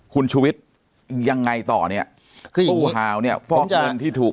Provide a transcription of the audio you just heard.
คุณชุวิตยังไงต่อเนี่ยคือตู้ขาวเนี่ยฟอกเงินที่ถูก